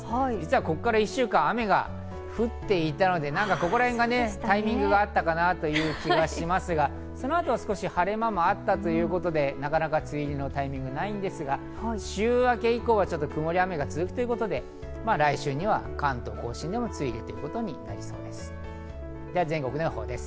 ここから１週間、実は雨が降っていたので、ここらへんがタイミングがあったかなという気がしますが、その後、少し晴れ間もあったということでなかなか梅雨入りのタイミングがないんですが、週明け以降は曇り、雨が続くということで来週には関東甲信も梅雨入りということになりそうです。